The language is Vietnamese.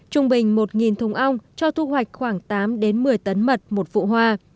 trung bình một thùng ong cho thu hoạch khoảng tám một mươi tấn mật một vụ hoa